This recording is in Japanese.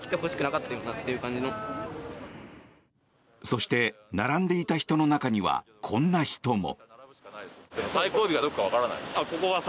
そして、並んでいた人の中にはこんな人も。